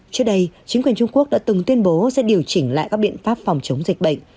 trước đây chính quyền trung quốc đã từng tuyên bố sẽ điều chỉnh lại các biện pháp phòng chống dịch bệnh